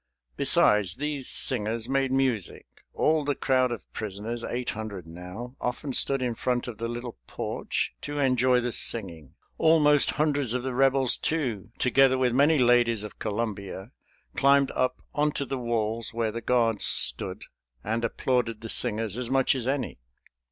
Besides, these singers made music. All the crowd of prisoners, eight hundred now, often stood in front of the little porch to enjoy the singing. Almost hundreds of the Rebels, too, together with many ladies of Columbia, climbed up onto the walls, where the guards stood, and applauded the singers as much as any.